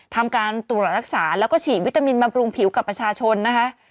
ทำการตรวจรักษาแล้วก็ฉีดวิตามินมาปรุงผิวกับประชาชนนะคะ